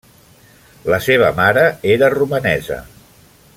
La seva mare era romanesa.